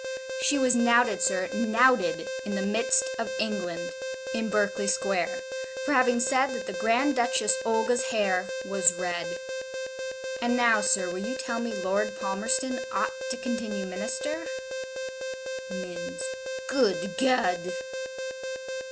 She was knouted, sir, knouted in the midst of England in Berkeley Square, for having said that the Grand Duchess Olga's hair was red. And now, sir, will you tell me Lord Palmerston ought to continue Minister?' Minns: 'Good Ged!'